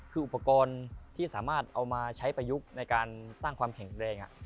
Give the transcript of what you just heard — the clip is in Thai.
คืออุปกรณ์ที่สามารถเอามาใช้ประยุกต์ในการสร้างความแข็งแรง